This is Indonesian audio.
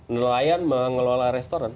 nelayan mengelola restoran